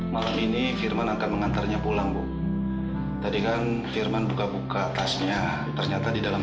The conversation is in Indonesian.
malam ini firman akan mengantarnya pulang bu tadi kan firman buka buka tasnya ternyata di dalam